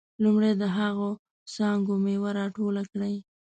لومړی د هغه څانګو میوه راټوله کړئ.